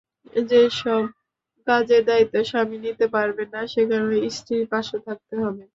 যেসব কাজের দায়িত্ব স্বামী নিতে পারবেন না, সেখানেও স্ত্রীর পাশে থাকতে হবে।